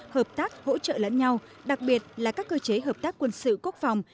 hợp tác hỗ trợ lẫn nhau đặc biệt là các cơ chế hợp tác quân sự quốc phòng